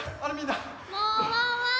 もうワンワン。